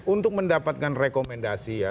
untuk mendapatkan rekomendasi ya